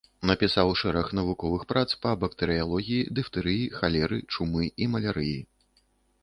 Напісаў шэраг навуковых прац па бактэрыялогіі, дыфтэрыі, халеры, чумы і малярыі.